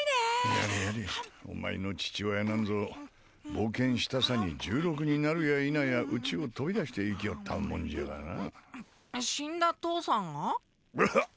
やれやれお前の父親なんぞ冒険したさに１６になるやいなやうちを飛び出して行きおったもんじゃがな死んだ父さんが？